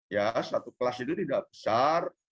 ya satu kelas itu tidak besar